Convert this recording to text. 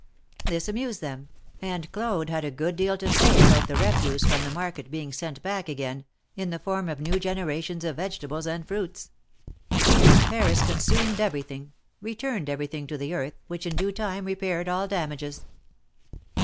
This amused them, and Claude had a good deal to say about the refuse from the market being sent bad: again, in the form of new generations of vegetables and fruits. Paris consumed everything — returned everything to the earth, which in due time repaired all damages.